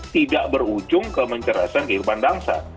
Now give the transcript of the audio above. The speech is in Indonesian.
tidak berujung ke mencerasakan kehidupan bangsa